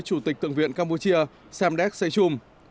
chủ tịch thượng viện campuchia semdes sechum